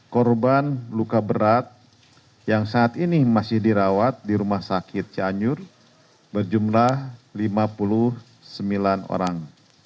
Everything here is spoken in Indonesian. korban luka berat yang saat ini masih dirawat di rumah sakit cianjur berjumlah lima puluh sembilan orang